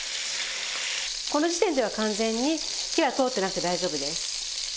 この時点では完全に火は通ってなくて大丈夫です。